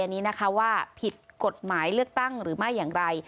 อันนี้นะคะว่าผิดกฎหมายเลือกตั้งหรือไม่อย่างไร